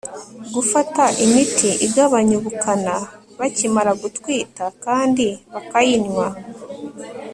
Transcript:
Gufata imiti igabanya ubukana bakimara gutwita kandi bakayinywa